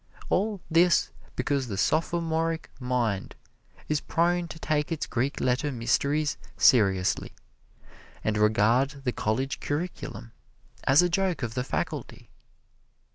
All this because the sophomoric mind is prone to take its Greek letter mysteries seriously, and regard the college curriculum as a joke of the faculty.